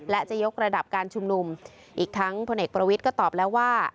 และจะยกระดับการชุมนุมอีกทั้งพลเอกประวิทย์ก็ตอบแล้วว่า